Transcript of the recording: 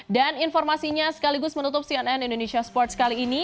dan informasinya sekaligus menutup cnn indonesia sports kali ini